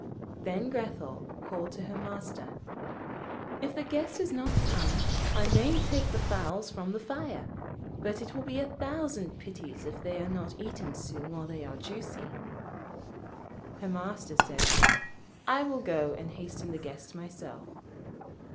Then Grethel called to her Master, 'If the guest does not come I must take the fowls from the fire; but it will be a thousand pities if they are not eaten soon while they are juicy.' Her Master said, 'I will go and hasten the guest myself.'